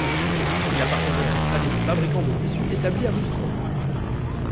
Il appartenait à une famille de fabricants de tissus établis à Mouscron.